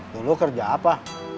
dulu kerja apa